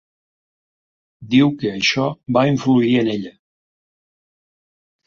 Diu que això va influir en ella.